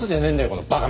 このバ亀！